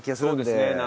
そうですね。